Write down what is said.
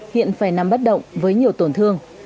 hiện phải nằm bất động với nhiều tổn thương